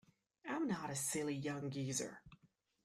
I'm not a silly young geezer.